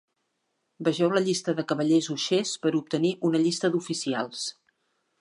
Vegeu la Llista de cavallers uixers per obtenir una llista d'oficials.